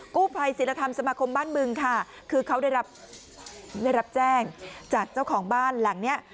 กู้ไพรศิลธรรมสมคมบ้านเมืองค่ะคือเขาได้รับแจ้งจากเจ้าของบ้านหลังเนี่ย